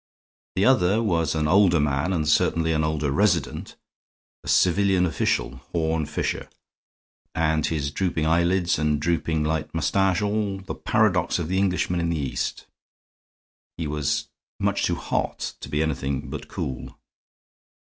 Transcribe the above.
The other was an older man and certainly an older resident, a civilian official Horne Fisher; and his drooping eyelids and drooping light mustache expressed all the paradox of the Englishman in the East. He was much too hot to be anything but cool.